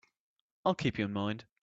I'll keep you in mind.